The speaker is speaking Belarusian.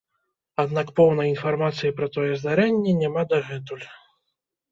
Аднак поўнай інфармацыі пра тое здарэнне няма дагэтуль.